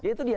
ya itu dia